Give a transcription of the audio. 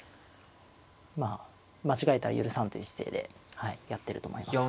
まあ間違えたら許さんという姿勢でやってると思います。